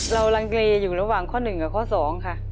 เรารังเกลียดอยู่ระหว่างข้อ๑กับข้อ๒ค่ะ